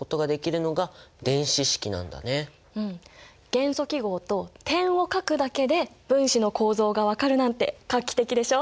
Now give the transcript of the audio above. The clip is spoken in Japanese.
元素記号と点を書くだけで分子の構造が分かるなんて画期的でしょ。